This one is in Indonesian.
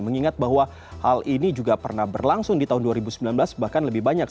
mengingat bahwa hal ini juga pernah berlangsung di tahun dua ribu sembilan belas bahkan lebih banyak